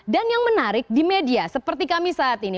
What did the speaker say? dan yang menarik di media seperti kami saat ini